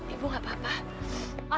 ibu gak apa apa